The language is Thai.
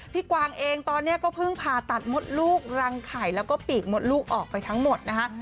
กวางเองตอนนี้ก็เพิ่งผ่าตัดมดลูกรังไข่แล้วก็ปีกมดลูกออกไปทั้งหมดนะคะ